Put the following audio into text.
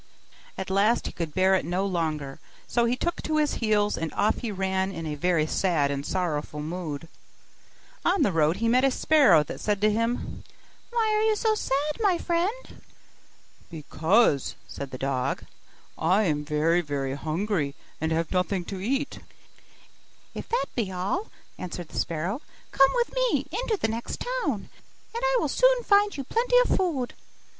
At last he could bear it no longer; so he took to his heels, and off he ran in a very sad and sorrowful mood. On the road he met a sparrow that said to him, 'Why are you so sad, my friend?' 'Because,' said the dog, 'I am very very hungry, and have nothing to eat.' 'If that be all,' answered the sparrow, 'come with me into the next town, and I will soon find you plenty of food.